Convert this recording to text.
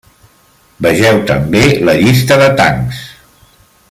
Vegeu també la Llista de tancs.